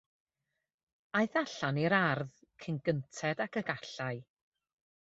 Aeth allan i'r ardd cyn gynted ag y gallai.